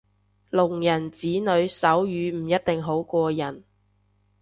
聾人子女手語唔一定好過人